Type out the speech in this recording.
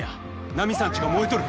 ナミさんちが燃えとる。